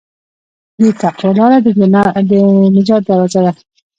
د تقوی لاره د نجات دروازه ده.